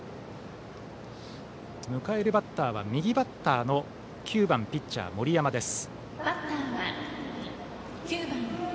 迎えるバッターは右バッターの９番ピッチャー森山です。